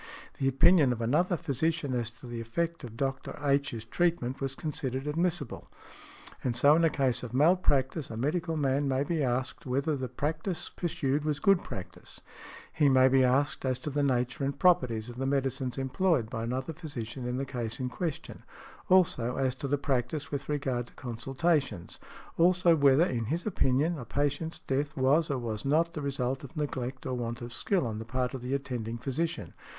the opinion of another physician as to the effect of Dr. H.'s treatment was considered |118| admissible . And so in a case of malpractice a medical man may be asked whether the practice pursued was good practice . He may be asked as to the nature and properties of the medicines employed by another physician in the case in question; also, as to the practice with regard to consultations; also, whether, in his opinion, a patient's death was or was not the result of neglect or want of skill on the part of the attending physician .